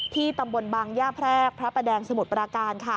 ตำบลบางย่าแพรกพระประแดงสมุทรปราการ